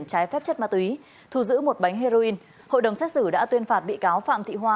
trái phép chất ma túy thu giữ một bánh heroin hội đồng xét xử đã tuyên phạt bị cáo phạm thị hoa